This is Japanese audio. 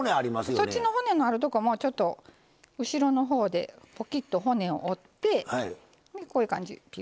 そっちの骨のあるとこもちょっと後ろの方でポキッと骨を折ってこういう感じピュ。